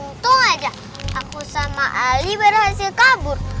untung saja aku dan ali berhasil kabur